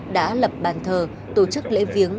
đã lập bàn thờ tổ chức lễ viếng